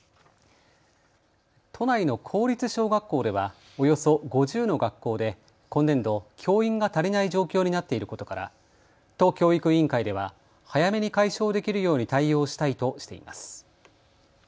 都内の公立小学校ではおよそ５０の学校で今年度、教員が足りない状況になっていることから都教育委員会では早めに解消できるように対応したいとしています。